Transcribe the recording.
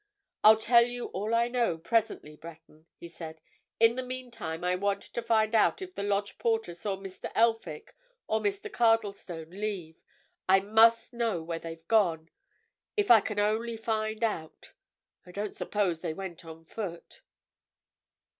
"I'll tell you all I know, presently, Breton," he said. "In the meantime, I want to find out if the lodge porter saw Mr. Elphick or Mr. Cardlestone leave. I must know where they've gone—if I can only find out. I don't suppose they went on foot."